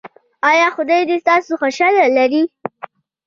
ایا خدای دې تاسو خوشحاله لري؟